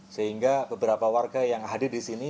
sehingga beberapa warga yang hadir disini